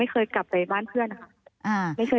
เคยกลับไปบ้านเพื่อนนะคะ